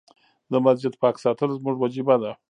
د مسجد پاک ساتل زموږ وجيبه ده.